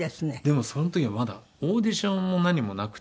でもその時はまだオーディションも何もなくて。